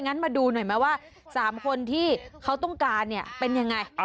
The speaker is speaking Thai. งั้นมาดูหน่อยไหมว่าสามคนที่เขาต้องการเป็นยังไง